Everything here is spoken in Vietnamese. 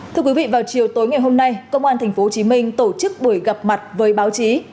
thưa quý vị vào chiều tối ngày hôm nay công an tp hcm tổ chức buổi gặp mặt với báo chí